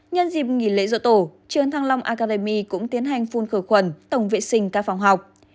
nhân dịp nghỉ lễ dựa tổ trường thăng long academy cũng tiến hành phun khởi khuẩn tổng vệ sinh các phòng học